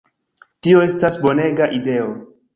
Tio estas bonega ideo!"